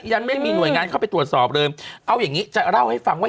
ยังไม่มีหน่วยงานเข้าไปตรวจสอบเลยเอาอย่างงี้จะเล่าให้ฟังว่า